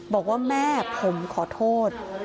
บอกว่าแม่ผมขอโทษ